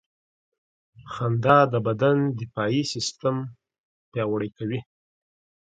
خندا د بدن دفاعي سیستم پیاوړی کوي.